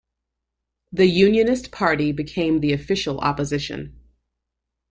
The Unionist Party became the official opposition.